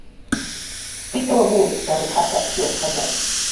spika wa bunge sharif hassan sheikh hadan